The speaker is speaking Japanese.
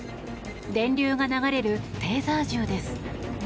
電流が流れるテーザー銃です。